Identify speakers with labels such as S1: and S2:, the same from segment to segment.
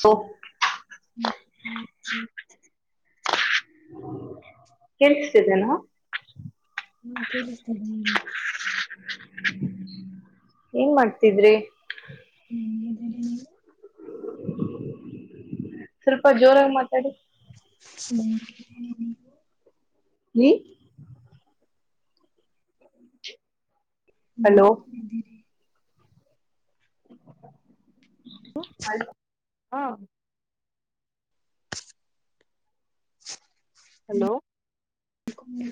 S1: So
S2: ಹ್ಮ್ ಹ್ಮ್ ಹ್ಮ್
S1: ಕೇಳಿಸ್ತಿದೆ
S2: ಹಾ ಕೇಳಿಸ್ತಿದೆ
S1: ಏನ್ ಮಾಡ್ತಿದ್ರಿ
S2: ಹ್ಮ್ದೆ
S1: ಸ್ವಲ್ಪ ಜೋರಾಗಿ ಮಾತಾಡಿ
S2: ಹ್ಮ
S1: ವಿ ಚ್
S2: ನಿದ್ದರಿ
S1: ಟು ಮಾಡ ಹಾ ಹಲೋ
S2: ಮೂ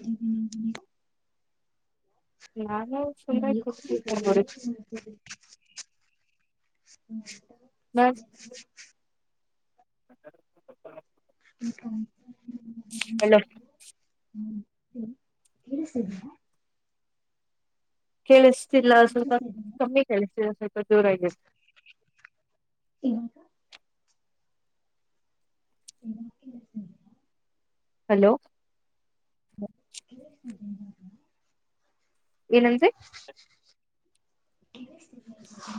S1: ಹಾ
S2: ಮ ಮಾಡ್ತ ಹ್ಮ್ ಹ್ಮ
S1: ಚು
S2: [unintelligible]
S1: ಹಲೋ
S2: ಕೇಳಿಸ್ತಿದ್ಯಾ
S1: ಕೇಳಿಸ್ ಸೀಲ್
S2: ಕೇಳಿಸ್ತಿದೆಯಾ
S1: ಕಮ್ಮಿ ಕೆಲ್ಸಿಯ ಸ್ವಲ್ಪ್ ಜೋರಾಗಿ ಹೇಳು
S2: ಇ ಎ ಬಾಕಸ [inaudible]
S1: ಹಲೋ
S2: [unintelligible]
S1: ಏನಂದ್ರಿ
S2: [unintelligible]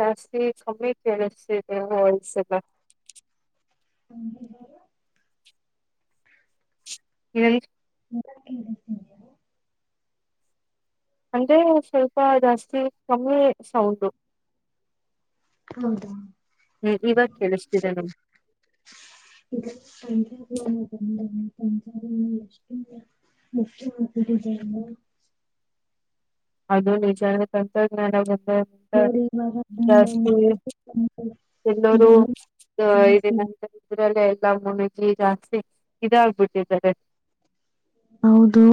S1: ಜಾಸ್ತಿ ಕಮ್ಮಿ ಕೆಸಸಲ್ಲ ವೈಸ್ ಎಲ್ಲಾ
S2: ಹ್ಮ
S1: ಹೇಳಿ
S2: ಎ ಕೇಳ ಸಿ [inaudible]
S1: ಅಂದ್ರೆ ಸ್ವಲ್ಪ ಜಾಸ್ತಿ ಕಮ್ಮಿ ಸೌಂಡು
S2: ಹೌದಾ
S1: ಹ್ಮ್ ಇವಾಗ ಕೇಳಿಸ್ತಿದೆ ನಮ್
S2: [unintelligible] [unintelligible]
S1: ಅದು ವಿಚಾರಣೆ ತಂತ್ರಜ್ಞಾನ
S2: ನೋಡಿ ಇವಾಗ
S1: ಜಾಸ್ತಿ
S2: ಒಂದೊಂದು
S1: ಎಲ್ಲರೂ ಇದಿಲ್ಲ ಅಂತ ಇದ್ರಲ್ಲ ಲಾಮುಣಿಜಿ ಜಾಸ್ತಿ ಇದಾಗಬಿಟ್ಟಿದ್ದಾರೆ
S2: ಹೌದು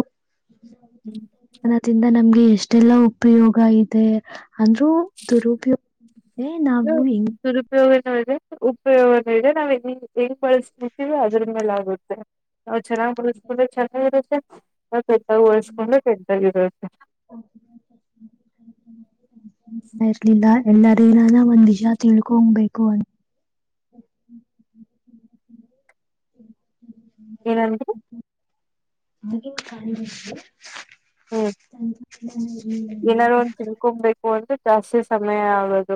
S2: ಅದಿಂದ ನಮ್ಗೆ ಎಷ್ಟೆಲ್ಲಾ ಉಪಯೋಗ ಇದೆ ಅಂದ್ರೂ ದುರುಪಯೋ
S1: ಹೂ ದುರುಪಯೋಗ ನೋಯಿದೆ ಉಪಯೋಗ ನಾವು ಹೆಂಗ್ ಬಳಸ್ತಿವಿ ಅದ್ರ ಮೇಲೆ ಆಗುತ್ತೆ ನಾವು ಚೆನ್ನಾಗ್ ಬಳಸ್ಕೊಂಡ್ರೆ ಚೆನ್ನರುತ್ತೆ ಕೆಟದಾಡಿ ಕೆಯದಾಗಿರುತೆ
S2: ಎಲ್ಲರಿಂದ ಒಂದ್ ವಿಷ ತಿಳ್ಕೊಂಡಬೇಕು
S1: ಏನಂದ್ರಿ
S2: ಆಗಿನ ಕಾಲದಲ್ಲಿ
S1: ಹ್ಮ್
S2: ತಂತ್ರ ಜ್ಞಾನ
S1: ಏನಾರು
S2: ಯಿರಲಿಲ್ಲ
S1: ಒಂದ್ ತಿಳ್ಕೊಬೇಕು ಅಂದ್ರೆ ಜಾಸ್ತಿ ಸಮಯ ಆಗದು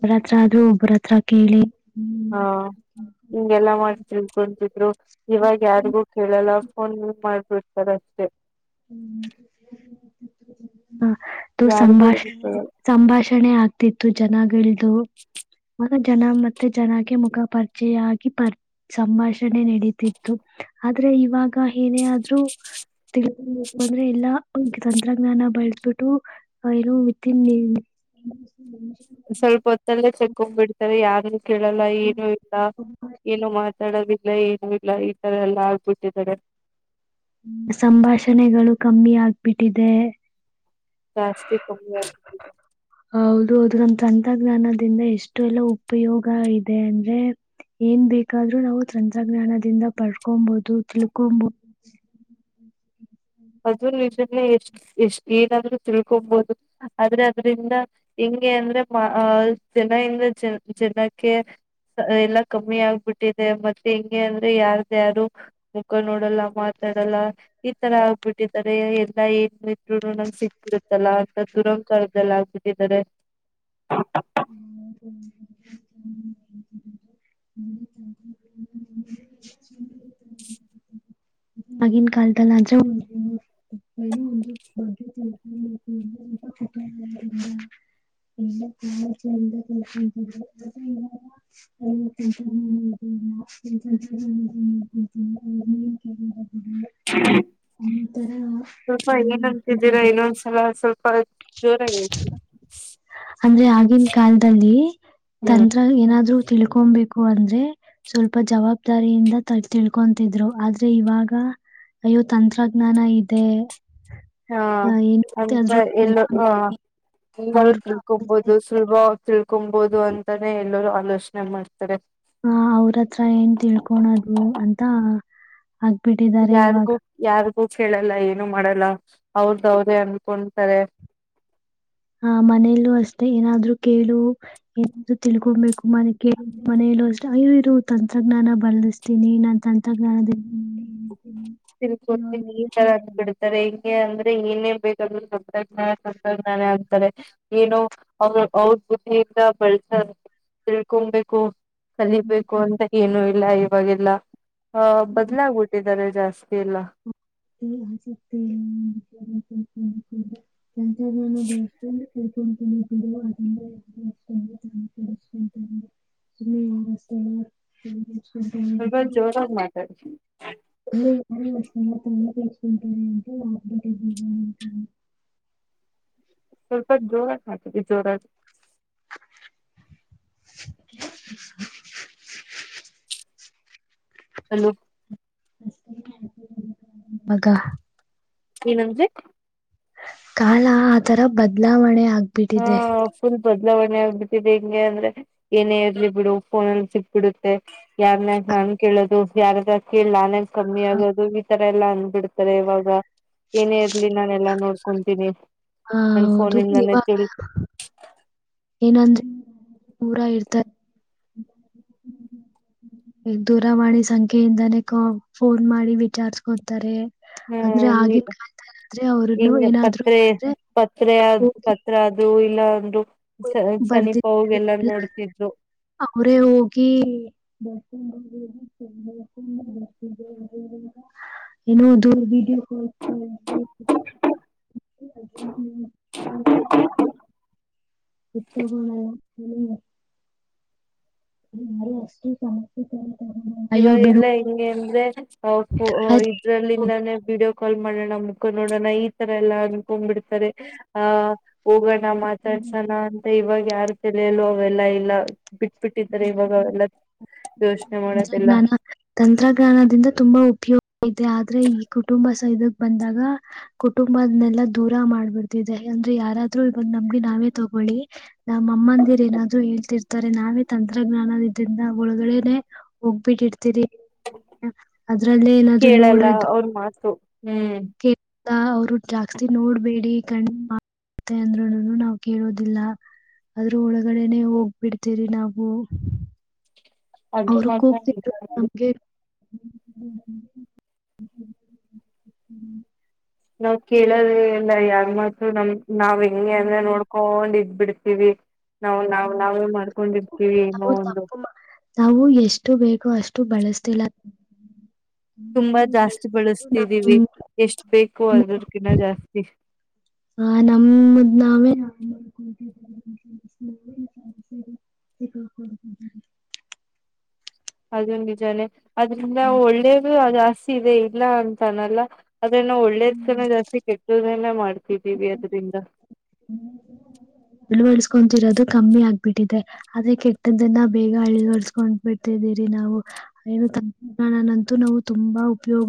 S2: ಒಬರತ್ರ ಆದ್ರೂ ಒಬ್ಬರತ್ರ ಕೇಳಿ
S1: ಹಾ ಹಿಂಗೆಲ್ಲಾ ಮಾಡ್ ತಿನ್ಕೊಂತಿದ್ರು ಇವಾಗ ಯಾರಿಗೂ ಕೇಳಲ್ಲ ಫೋನ್ ಮಾಡ್ಬಿಡ್ತಾರ ಅಷ್ಟೇ
S2: ಹ್ಮ ಅದು
S1: ಯಾರಿಗೂ
S2: ಸಂಭಾಷಣೆ
S1: ಇ
S2: ಸಂಭಾಷಣೆ ಆಗ್ತಿತ್ತು ಜನಗಳ್ದು ಜನ ಮತ್ತೆ ಜನಕ್ಕೆ ಮುಖ ಪರಿಚೆಯಾಗಿ ಪರ್ ಸಂಭಾಷಣೆ ನೆಡೀತಿತ್ತು ಆದ್ರೆ ಇವಾಗ ಏನೇ ಆದ್ರೂ ತಿಲ್ ಬಂದ್ರೆ ಎಲ್ಲ ತಂತ್ರಜ್ಞಾನ ಬಳಸಬಿಟ್ಟು ಏನು ವಿತ್ನ್
S1: ಸ್ವಲ್ಪ ಹೊತ್ತಲ್ಲೇ ಚಕ್ಕ ಹೋಗ್ಬಿಡ್ತಾರೆ ಯಾರ ಕೇಳಲ್ಲ ಏನು ಇಲ್ಲ ಏನು ಮಾತಾತೋಡಿಲ್ ಲ್ಲ ಏನು ಇಲ್ಲ ಈತರ ಎಲ್ಲ ಆಗ್ಬಿಟ್ಟದ್ದಾರೆ
S2: ಸಂಭಾಷಣೆಗಳು ಕಮ್ಮಿ ಆಗ್ಬಿಟ್ಟಿದೆ
S1: ಜಸ್ತಿ ಕಮ್ಮಿ
S2: ಹೌದು ಹೌದು ನಮ್ಮ ತಂತ್ರಜ್ಞಾನದಿಂದ ಎಷ್ಟು ಎಲ್ಲ ಉಪಯೋಗ ಇದೆ ಅಂದ್ರೆ ಏನ್ ಬೇಕಾದ್ರರು ನಾವು ತಂತ್ರಜ್ಞಾನದಿಂದ ಪಡ್ಕೊಬಹುದು ತಿಳ್ಕೊಬೋದು
S1: ಅದು ನಿಜ ಎಷ್ಟು ಎಷ್ಟು ಏನಾದ್ರೂ ತಿಳ್ಕೊಬೋದು ಆದ್ರೆ ಅದ್ರಿಂದ ಹೆಂಗೆ ಅಂದ್ರೆ ಮಾ ಜನ ಇಂದ ಜ ಜನಕ್ಕೆ ಎಲ್ಲಾ ಕಮ್ಮಿ ಆಗ್ಬಿಟ್ಟಿದೆ ಮತ್ತೆ ಹಿಂಗೆ ಅಂದ್ರೆ ಯಾರ್ದ ಯಾರು ಮುಖ ನೋಡಲ್ಲ ಮಾತಾಡಲ್ಲ ಈ ತರ ಆ ಗ್ಬಿಟ್ಟಿದ್ದಾರೆ ಎಲ್ಲಾ ಏನ್ ಇದಿದ್ರುನು ನಂಗೆ ಸಿಗ್ಬಿಡುತ್ತಲ್ಲ ಅಂತ ದುರಂಕಾರದಲ್ಲಿ ಆಗ್ಬಿಟ್ಟಿದ್ದಾರೆ
S2: ಹ [inaudible] ಆಗಿನ ಕಾಲದಲ್ಲಿ ಆದ್ರೆ [unintelligible] [unintelligible] [unintelligible] [inaudible]
S1: ಹ [unintelligible]
S2: ಒಂತರ [unintelligible]
S1: ಹಾಯ್ ಜೋರಾಗ್ ಹೇಳ್ತೀರಾ
S2: ಅಂದ್ರೆ ಆಗಿನ ಕಾಲದಲ್ಲಿ ತಂತ್ರ ಏನಾದ್ರು ತಿಳ್ಕೊಂಬೇಕು ಅಂದ್ರೆ ಸ್ವಲ್ಪ ಜವಾಬ್ದಾರಿಯಿಂದ ತ ತಿಳ್ಕೊತಿದ್ರು ಆದ್ರೆ ಇವಾಗ ಅಯ್ಯೋ ತಂತ್ರಜ್ಞಾನ ಇದೆ
S1: ಹಾ
S2: ಆ, ಏನು ಬರುತ್ತೆ
S1: ಅಂತ
S2: ಅದ್ರ
S1: ಎಲ್ಲೊ ಹಾ ಈಗೆಲ್
S2: ಅವ್ರ
S1: ತಿಳ್ಕೊಬಹುದು ಸುಲಭವಾಗಿ ತಿಳ್ಕೊಭೋದು ಅಂತಾನೆ ಎಲ್ಲರೂ ಅ ಲೋಷನೆೆ ಮಾಡ್ತಾರೆ
S2: ಹ ಅವ್ರತ್ರ ಏನ್ ತಿಳ್ಕೊಣದು ಅಂತ ಆಗ್ಬಿಟ್ಟಿದ್ದಾರೆ ಇವಾಗ
S1: ಹೂ ಕೇಳಲ್ಲ ಏನು ಮಾಡಲ್ಲ ಅವ್ರ್ದವ್ರೇ ಅನ್ಕೊನ್ತಾರೆ
S2: ಹ ಮನೆಯಲ್ಲೂ ಅಷ್ಟೇ ಏನಾದ್ರು ಕೇಳು ಏನಾದ್ರು ತಿಳ್ಕೊಮ್ಬೇಕು ಮನೆ ಕೇಳಿದೆ ಮನೆಯಲ್ಲೂ ಅಷ್ಟೆ ಅಯ್ಯೊ ಇರು ತಂತ್ರಜ್ಞಾನ ಬಲ್ಸ್ತೀನಿ ನಾನ್ ತಂತ್ರಜ್ಞಾನದಿಂದ [inaudible]
S1: ತಿನ್ಕೊಂತೀನಿ ಏನೇನ್ ಬೇಕಂದ್ರ [inaudible] ಸ ನ ತಂತ್ರಜ್ಞಾನ ಯಾವುದು ತರೆ ಏನೋ ಅವ್ರ ಅವ್ರ ಬುದ್ಧಿಯಿಂದ ಬಳ್ಸ ತಿಳ್ಕೊಮ್ಬೇಕು ಕಲಿಬೇಕು ಅಂತ ಏನು ಇ ಇಲ್ಲ ಇವಾಗೆಲ್ಲ ಹ ಬದಲಾಗಿಬಿಟ್ಟಿದ್ದಾರೆ ಜಾಸ್ ಇಲ್ಲ
S2: ಹೇ ಆಸಕ್ತಿ ಏನಿಲ್ಲ [inaudible] ತಂತ್ರಜ್ಞಾನ ಬಳಕೆ ತಿಳ್ಕೊಂತೀನಿ ಬಿಡು ಅದ್ರಿಂದ [unintelligible] [unintelligible] [inaudible]
S1: ಸ್ವಲ್ಪ ಜೋರಾಗ್ ಮಾತಾಡು
S2: ಹ್ಮ [unintelligible] ತ [unintelligible] ತಸ್ಂನ ಅಂತೆ ಬಕೆಟ್ ಇಡಿ ಅಂತ
S1: ಸ್ವಲ್ಪ ಜೋರಾಗಿ ಮಾತಾಡಿ ಜೋರಾಗಿ ಹಲೋ
S2: ಅಗ
S1: ಏನಂದ್ರಿ?
S2: ಕಾಲ ಆ ತರ ಬದಲಾವಣೆ ಆಗ್
S1: ಆ
S2: ಬಿಟ್ಟಿದೆ.
S1: ಫುಲ್ ಬದಲಾವಣೆ ಆಗ್ಬಿಟ್ಟಿದೆ ಹೆಂಗೆ ಅಂದ್ರೆ ಏನೇ ಇರ್ಲಿ ಬಿಡು ಫೋನಲ್ಲಿ ಸಿಕ್ಬುಡುತ್ತೆ ಯಾರ್ನ್ ಯಾಕ್ ನಾನ್ ಕೇಳೋದು ಯಾರತ್ರ ಕೇಳ್ ನಾನೇನ್ ಕಮ್ಮಿ
S2: ಆ,
S1: ಆಗೋದು ಈತರ ಎಲ್ಲಾ ಅಂದ್ಬಿಡ್ತಾರೆ ಇವಾಗ, ಏನೇ ಇರ್ಲಿ ನಾನ್ ಎಲ್ಲಾ ನೋಡ್ಕೊಂತಿನಿ
S2: ಹಾ ಹೌದು ಇವಾ
S1: ಕೇಳಿ
S2: ನಂಜನ್ ಊರಾ ಇರ್ತಾರೆ, ದೂರವಾಣಿ ಸಂಖ್ಯೆಯಿಂದಾನೇ ಕಾ ಫೋನ್ ಮಾಡಿ ವಿಚಾರಸ್ಕೊಂತಾರೆ
S1: ಹ್ಮೂ ಈಗ
S2: ಅವ್ರನ್ನು
S1: [unintelligible]
S2: ಏನಾದ್ರು
S1: ಪತ್ರೆ
S2: ಆದ್ರೆ
S1: ಪತ್ರೆ ಅದ್ ಪತ್ರ ಅದು ಲೋನ್ದು.
S2: [unintelligible]
S1: ನೋಡ್ತಿದ್ರು
S2: ಅವ್ರೇ ಹೋಗಿ ಏನೋ ಅದು ವಿಡಿಯೋ [unintelligible] ಇದ್ ತಗೊಳೋ ಹೇಳಿಲ್ಲ. ಯಾರೂ ಅಷ್ಟು ಸಮಸ್ಯೆ ತರ
S1: ಇವಾಗೆಲ್ಲ ಎಂಗೆ ಅಂದ್ರೆ [unintelligible] ಇದ್ರಲ್ಲಿಂದಾನೇ ವಿಡಿಯೋ ಕಾಲ್ ಮಾಡಣ ಮುಖ ನೋಡಣ ಈ ತರ ಎಲ್ಲಾ ಅನ್ಕೊಂಡ್ ಬಿಡ್ತಾರೆ, ಆ ಹೋಗಣ ಮಾತಾಡ್ಸಣ ಅಂತ ಇವಾಗ್ ಯಾರ್ ತಲೆ ನೋವ್ ಎಲ್ಲಾ ಇಲ್ಲ ಬಿಟ್ಬಿಟ್ಟಿದ್ದಾರೆ ಇವಾಗ ಎಲ್ಲ [unintelligible] ನಮೋಳೆ
S2: ನಾನಾ ತಂತ್ರಜ್ಞಾನದಿಂದ ತುಂಬಾ ಉಪಯೋಗ್ ಇದೆ ಆದ್ರೆ ಈ ಕುಟುಂಬ ಸಹ ಇದಕ್ ಬಂದಾಗ ಕುಟುಂಬದ್ನೆೆಲ್ಲ ದೂರ ಮಾಡ್ಬಿಡ್ತಿದೆ ಅಂದ್ರೆ ಯಾರಾದ್ರು ಇವಾಗ ನಮ್ಗೆ ನಾವೇ ತಗೊಳ್ಳಿ ನಮ್ ಅಮ್ಮಂದಿರ್ ಏನಾದ್ರು ಹೇಳ್ತಿರ್ತಾರೆ ನಾವೇ ತಂತ್ರಜ್ಞಾನದ್ ಇದ್ರಿಂದ ಒಳಗಡೆನೆ ಹೋಗ್ಬಿಟ್ಟಿರ್ತೀರಿ ಅದ್ರಲ್ಲೇ ಏನಾದ್ರು
S1: ಕೇಳಲ್ಲ
S2: ನೋಡದು
S1: ಅವ್ರ ಮಾತು ಹ್ಮ್
S2: ಕ್ಕೆ ಅವ್ರು ಜಾಸ್ತಿ ನೋಡ್ಬೇಡಿ ಕಣ್ಣ್ ಮಾ ತ್ತೆ ಅಂದ್ರೂನುನು ನಾವ್ ಕೇಳೋದಿಲ್ಲ ಆದ್ರೂ ಒಳಗಡೆನೆ ಹೋಗ್ಬಿಡ್ತರಿ ನಾವು.
S1: ಅದು
S2: ಅವರು
S1: ಮಾತ್ರ ನಿಜ
S2: ಕೂಗ್ತಿದ್ರು
S1: ನೋಡಿ
S2: ನಮ್ಗೆ [unintelligible]
S1: ನಾವ್ ಕೇಳದೆ ಇಲ್ಲ ಯಾರ್ ಮಾತು ನಮ್ ನಾವ್ ಹೆಂಗೆ ಅಂದ್ರೆ ನೋಡ್ಕೊಂಡ್ ಇದ್ ಬಿಡ್ ತಿವಿ ನಾವು ನಾವು ನಾವೇ ಮಾಡ್ಕೊಂಡಿರ್ತೀವಿ ಏನೋ
S2: ನಾವು
S1: ಒಂದು.
S2: ತಪ್ಪು ನಾವು ಎಷ್ಟು ಬೇಕೋ ಅಷ್ಟು ಬಳಸ್ತಿಲ್ಲ
S1: ತುಂಬಾ ಜಾಸ್ತಿ
S2: ಬಳಸ್ಕೊಂಡು
S1: ಬಳಸ್ತಿದೀವಿ
S2: ನಮ್
S1: ಎಷ್ಟ ಬೇಕು ಅದಕಿನ್ನ ಜಾಸ್ತಿ ಹ
S2: ಹ ನಮ್ಮದ್ ನಾವೇ
S1: ಅದ ನಿಜಾನೆ ಅದ್ರಿಂದ ಒಳ್ಳೇದು ಅ ಬಸ ಇದೆ ಇಲ್ಲ ಅಂತಾನಲ್ಲ ಅದನ್ನ ಒಳ್ಳೇದ್ನ ಜಾಸ್ತಿ ಕಟ್ಟ [inaudible] ಈವ್ ನೆಯಲ್ಲ ಮಾಡು ಿತಿ ಬದು ತಿ [inaudible]
S2: ಕೊಂತಿರೋದು ಕಮ್ಮಿ ಆಗ್ಬಿಟ್ಟಿದೆ ಅದೇ ಕೆಟ್ಟದ್ದನ್ನ ಬೇಗ ಅಳಿಗಡ್ಸ್ಕೊಂಡ್ ಬಿಡ್ತಿದ್ದೀರಿ ನಾವು ಏನು ತಂತ್ರಜ್ಞಾನನಂತೂ ನಾವು ತುಂಬಾ ಉಪಯೋಗ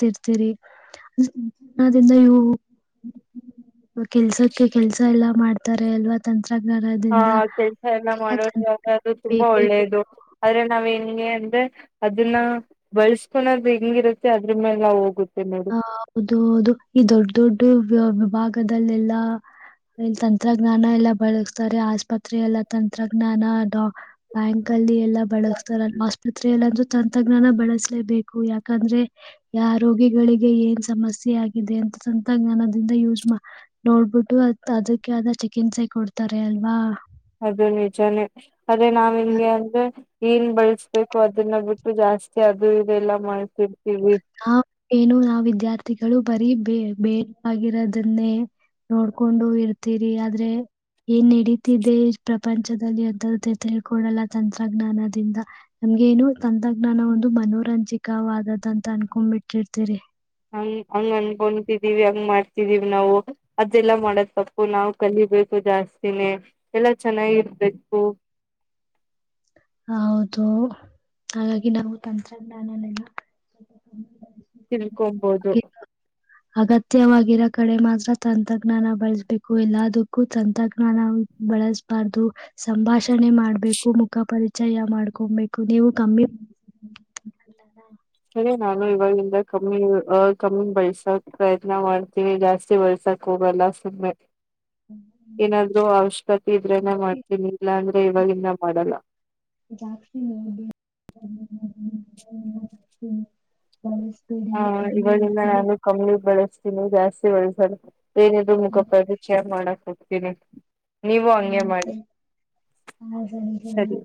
S2: ತಿರ್ತೀರಿಿಂದ ಇವು ಕೆಲ್ಸಕ್ಕೆ ಕೆಲ್ಸ ಎಲ್ಲಾ ಮಾಡ್ತಾರೆ ಅಲ್ವಾ ತಂತ
S1: ಹಾ ಕೆಲ್ಸ ಎಲ್ಲ ಮಾಡೋ್ರ ಆದ್ರ ಅದು
S2: ತಂತ್ರಜ್ಞಾನ
S1: ತುಂಬಾ
S2: ಬೇಕೇ ಬೇಕು
S1: ಒಳ್ಳೇದು ಆದ್ರೆ ನಾವೇನ್ ಗೆ ಅಂದ್ರೆ ಅದನ್ನ ಬಳಸ್ಕೊಳದು ಹೆಂಗಿರುತ್ತೆ ಅದ್ರ ಮೇಲೆ ಹೋಗುತ್ತೆ ನೋಡಿ
S2: ಹ ಹೌದು ಹೌದು ಈ ದೊಡ್ ದೊಡ್ಡ ಭಾಗದಲ್ಲೆಲ್ಲಾ ತಂತ್ರಜ್ಞಾನ ಎಲ್ಲ ಬಳಸ್ತಾರೆ ಆಸ್ಪತ್ರೆ ಎಲ್ಲ ತಂತ್ರಜ್ಞಾನಾ ಬ್ಯಾಂಕ್ ಅಲ್ಲಿ ಎಲ್ಲಾ ಬಳಸ್ತಾರ ಆಸ್ಪತ್ರೆಯಲ್ಲ ಅಂದ್ರೂ ತಂತ್ರಜ್ಞಾನ ಬಳಸಲೇಬೇಕು ಯಾಕಂದ್ರೆ ಯ ಆ ರೋಗಿಗಳಿಗೆ ಏನ್ ಸಮಸ್ಯೆ ಆಗಿದೆ ಅಂತ ತಂತ್ರಜ್ಞಾನ ಅದಿಂದ ಯೂಸ್ ನೋಡ್ಬಿಟ್ಟು ಅ ಅದಕ್ಕೆ ಆದ ಚಿಕಿತ್ಸೆ ಸಹ ಕೊಡ್ತಾರೆ ಅಲ್ವಾ
S1: ಅದು ನಿಜಾನೇ ಅದೇ ನಾವ್ ಹಂಗೆ ಅಂದ್ರೆ ಏನ್ ಬಳಸ್ಬೇಕು ಅದನ್ನ ಬಿಟ್ಟು ಜಾಸ್ತಿ ಅದು ಇದೆಲ್ಲ ಮಾಡ್ತಿವಿ
S2: ಹ ಏನು ನಾವ ವಿದ್ಯಾರ್ಥಿಗಳು ಬರೀ ಬೇ ಬೇಕ ಆಗಿರೋದನ್ನೇ ನೋಡ್ಕೊಂಡು ಇರ್ತೀರಿ ಆದ್ರೆ ಏನ್ ನಡೀತಿದೆ ಪ್ರಪಂಚದಲ್ಲಿ ಎದ್ದದ್ದ ತಿಳ್ಕೊೊಳ್ಳಲ್ಲ ತಂತ್ರಜ್ಞಾನದಿಂದ ನಮ್ಗೆೇನು ತಂತ್ರಜ್ಞಾನ ಒಂದು ಮನೋರಂಜಕವಾದದ ಅಂತ ಅನ್ಕೋಬಿಟ್ಟಿರ್ತಿರಿ
S1: ಹಂಗ್ ಹಂಗ ಅನ್ಕೊತಿದೀವಿ ಹಂಗ್ ಮಾಡ್ತಿದೀವಿ ನಾವು ಅದೆಲ್ಲಾ ಮಾಡತ್ ತಪ್ಪು ನಾವ್ ಕಲಿಬೇಕು ಜಾಸ್ತಿನೇ ಎಲ್ಲಾ ಚೆನ್ನಾಗಿರ್ಬೇಕು
S2: ಹೌದು ಹಾಗಾಗಿ ನಾವು ತಂತ್ರಜ್ಞಾನನೆೆಲ್ಲ
S1: ತಿಳ್ಕೊಂಬೋದು
S2: ಅಗತ್ಯವಾಗಿರೋ ಕಡೆ ಮಾತ್ರ ತಂತ್ರಜ್ಞಾನ ಬಳಸ್ಬೇಕು ಎಲ್ಲದಕ್ಕೂ ತಂತ್ರಜ್ಞಾನ ಬಲ್ಸ್ಬರ್ದು ಸಂಭಾಷಣೆ ಮಾಡ್ಬೇಕು ಮುಖ ಪರಿ ಜಯ ಮಾಡ್ಕೊಬೇಕು ನೀವು ಕಮ್ಮಿ
S1: ನಾನು ಇವಾಗಿಂದ ಕಮ್ಮಿ ಕಮ್ಮಿ ಬಳ್ಸೋಕ್ ಪ್ರಯತ್ನ ಮಾಡ್ತೀನಿ ಜಾಸ್ತಿ ಬೆಳ್ಸಕ್ ಹೋಗಲ್ಲ ಸುಮ್ಮನೆ ಏನಾದ್ರರು ಅವಶ್ಯಕತೆ ಇದ್ರೆನ ಮಾಡ್ತೀನಿ ಇಲ್ಲ ಅಂದ್ರೆ ಇವಗಿಂದ ಮಾಡಲ್ಲ
S2: ಜಾಸ್ತಿ ಬಳಸ್ಬೇಡಿ
S1: ಹಾ ಇವಾಗಿಂದ ನಾನು ಕಮ್ಮಿ ಬಾಲಸ್ಥಿನೀ ಜಾಸ್ತಿ ಒಳ್ಳಿ ಸ್ವಲ್ಪ [inaudible] ಏನಾದ್ ಮುಖಪ ಚೆ ಮಾಡಕದು [inaudible] ಕರ [inaudible] ನೀವು ಹಂಗೆ ಮಾಡಿ
S2: ಕಮ್ಮಿ
S1: ಸರಿ